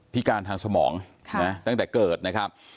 พิการทางสมองตั้งแต่เกิดนะครับ